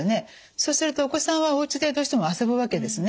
そうするとお子さんはおうちでどうしても遊ぶわけですね。